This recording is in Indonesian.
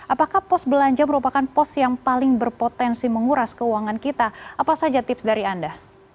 apakah pos belanja merupakan pos yang paling berpotensi menguras keuangan kita apa saja tips dari anda